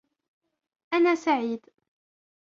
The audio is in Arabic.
انا سعيد.